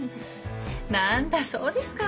何だそうですか。